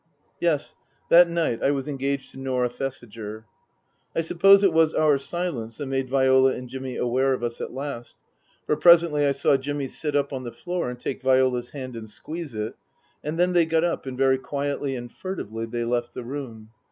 Yes, that night I was engaged to Norah Thesiger. I suppose it was our silence that made Viola and Jimmy aware of us at last, for presently I saw Jimmy sit up on the floor and take Viola's hand and squeeze it, and then they got up and very quietly and furtively they left the room.